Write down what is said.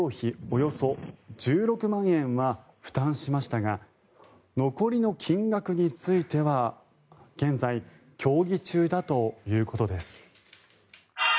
およそ１６万円は負担しましたが残りの金額については現在、協議中だということです。